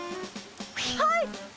はい！